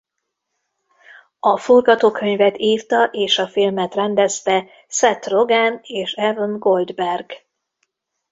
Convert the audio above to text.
A forgatókönyvet írta és a filmet rendezte Seth Rogen és Evan Goldberg.